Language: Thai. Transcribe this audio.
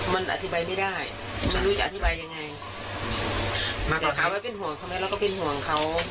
มันอธิบายไม่ได้ไม่รู้จะอธิบายยังไงแต่ถามว่าเป็นห่วงเขาไหมเราก็เป็นห่วงเขา